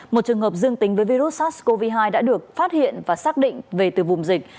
một trường hợp dương tính với virus sars cov hai đã được phát hiện và xác định về từ vùng dịch